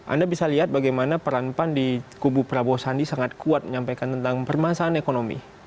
anda bisa lihat bagaimana peran pan di kubu prabowo sandi sangat kuat menyampaikan tentang permasalahan ekonomi